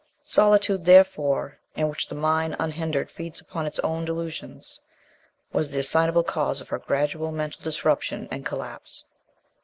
Solitude, therefore, in which the mind unhindered feeds upon its own delusions, was the assignable cause of her gradual mental disruption and collapse.